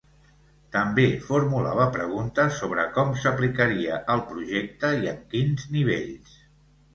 També formulava preguntes sobre com s’aplicaria el projecte i en quins nivells.